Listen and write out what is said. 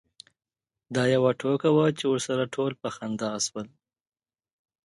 دا یوه ټوکه وه چې ورسره ټول په خندا شول.